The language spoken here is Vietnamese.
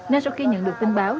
nên sau khi nhận được tin báo